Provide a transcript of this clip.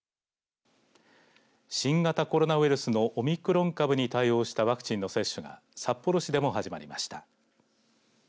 新型コロナウイルスのオミクロン株に対応したワクチンの接種が札幌市でも始まりました。